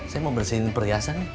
saya mau bersihin perhiasan nih